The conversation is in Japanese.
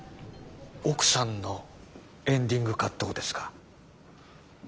奥さんのエンディングカットをですか？